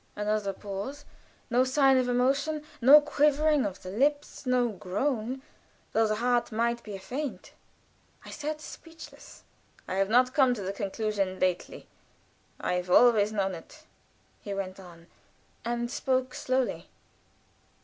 Another pause. No sign of emotion, no quiver of the lips, no groan, though the heart might be afaint. I sat speechless. "I have not come to the conclusion lately. I've always known it," he went on, and spoke slowly.